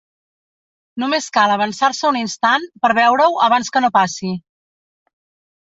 Només cal avançar-se un instant per veure-ho abans que no passi.